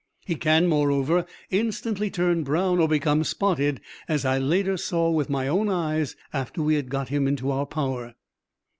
He can, moreover, instantly turn brown or become spotted, as I later saw with my own eyes after we had got him into our power.